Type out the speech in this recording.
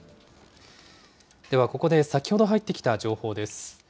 では、ここで先ほど入ってきた情報です。